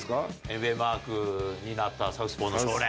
ＮＢＡマークになったサウスポーの少年。